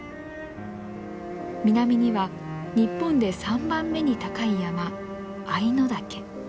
南には日本で三番目に高い山間ノ岳。